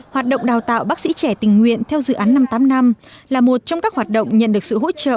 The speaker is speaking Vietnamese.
hoạt động đào tạo bác sĩ trẻ tình nguyện theo dự án năm trăm tám mươi năm là một trong các hoạt động nhận được sự hỗ trợ